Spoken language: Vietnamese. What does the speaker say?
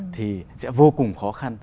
thì sẽ vô cùng khó khăn